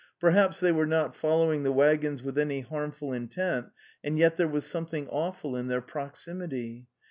Perhaps they were not following the waggons with any harmful intent, and yet there was something awful in their proximity.